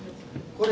これ。